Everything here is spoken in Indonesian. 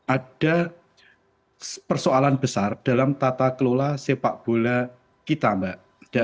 ada persoalan besar dalam tata kelola sepak bola kita mbak